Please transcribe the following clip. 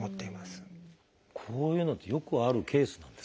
こういうのってよくあるケースなんですか？